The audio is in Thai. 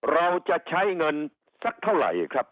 เราจะใช้เงินสักเท่าไหร่ครับ